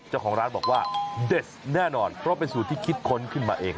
เจ้าของร้านบอกว่าเด็ดแน่นอนเพราะเป็นสูตรที่คิดค้นขึ้นมาเอง